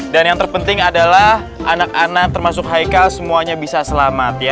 dan yang terpenting adalah anak anak termasuk haikal semuanya bisa selamat ya